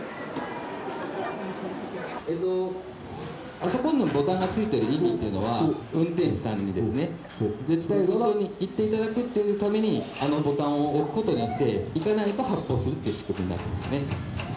あそこのボタンが付いている意味っていうのは運転手さんにですね絶対後ろに行っていただくっていうためにあのボタンを置くことによって行かないと発報するっていう仕組みになっていますね。